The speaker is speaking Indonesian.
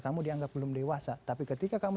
kamu dianggap belum dewasa tapi ketika kamu